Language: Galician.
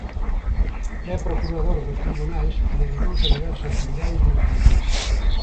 É procurador dos tribunais e dedicouse a diversas actividades mercantís.